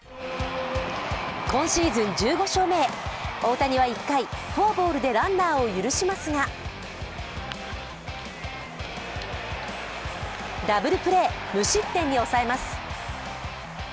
今シーズン１５勝目へ、大谷は１回、フォアボールでランナーを許しますがダブルプレー、無失点に抑えます。